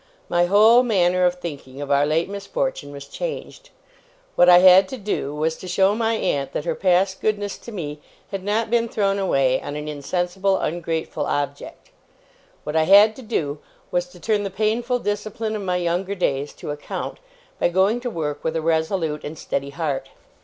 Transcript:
My whole manner of thinking of our late misfortune was changed. What I had to do, was, to show my aunt that her past goodness to me had not been thrown away on an insensible, ungrateful object. What I had to do, was, to turn the painful discipline of my younger days to account, by going to work with a resolute and steady heart.